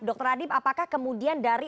dokter adip apakah kemudian dari